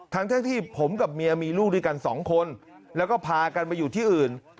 ทั้งที่ผมกับเมียมีลูกด้วยกันสองคนแล้วก็พากันมาอยู่ที่อื่น